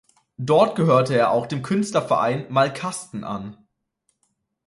Dort gehörte er auch dem Künstlerverein "Malkasten" an.